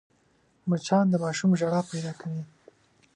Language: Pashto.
مچان د ماشوم ژړا پیدا کوي